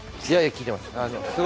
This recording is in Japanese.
聞いてます。